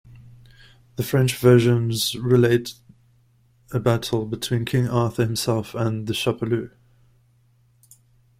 The French versions relate a battle between King Arthur himself and the "Chapalu".